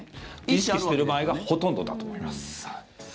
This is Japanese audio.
意識してる場合がほとんどだと思います。